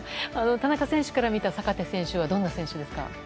田中選手から見た坂手選手はどんな選手ですか？